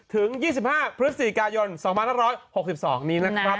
ถึง๒๕พฤศจิกายน๒๕๖๒นี้นะครับ